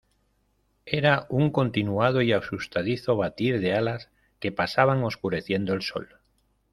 era un continuado y asustadizo batir de alas que pasaban oscureciendo el sol.